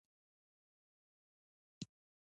بیا نو باید ورسره شدید چلند وشي.